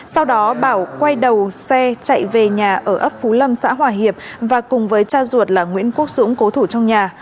sau đó bảo quay đầu xe chạy về nhà ở ấp phú lâm xã hòa hiệp và cùng với cha ruột là nguyễn quốc dũng cố thủ trong nhà